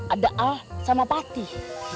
ada al sama fatih